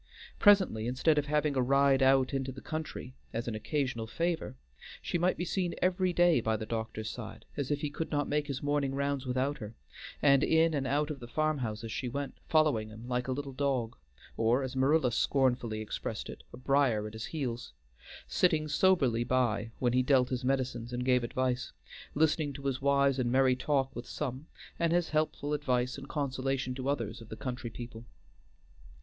Presently, instead of having a ride out into the country as an occasional favor, she might be seen every day by the doctor's side, as if he could not make his morning rounds without her; and in and out of the farm houses she went, following him like a little dog, or, as Marilla scornfully expressed it, a briar at his heels; sitting soberly by when he dealt his medicines and gave advice, listening to his wise and merry talk with some, and his helpful advice and consolation to others of the country people.